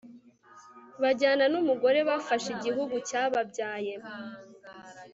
Bajyana numugore bafashe igihugu cyababyaye